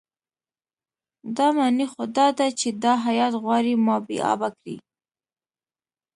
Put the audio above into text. دا معنی خو دا ده چې دا هیات غواړي ما بې آبه کړي.